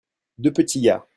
deux petits gars.